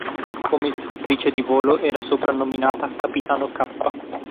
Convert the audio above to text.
Come istruttrice di volo era soprannominata "Capitano K".